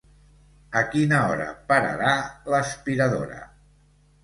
A quina hora pararà l'aspiradora?